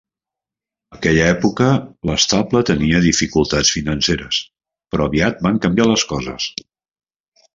Aquella època, l'estable tenia dificultats financeres, però aviat van canviar les coses.